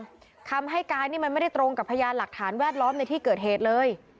คำให้การนี่มันไม่ได้ตรงกับพยานหลักฐานแวดล้อมในที่เกิดเหตุเลย